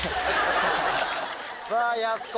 さぁやす子。